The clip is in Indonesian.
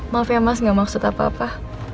maaf ya mas gak maksud apa apa